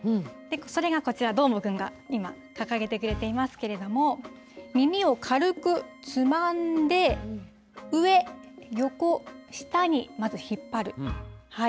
それがこちら、どーもくんが今、掲げてくれていますけれども、耳を軽くつまんで、上、横、下にまず引っ張る。